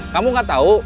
kamu nggak tahu